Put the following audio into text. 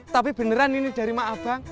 tapi beneran ini dari mah abang